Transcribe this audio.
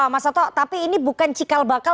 mas toto tapi ini bukan cikal bakal